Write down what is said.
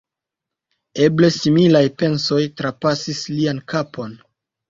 Eble similaj pensoj trapasis lian kapon.